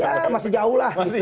iya masih jauh lah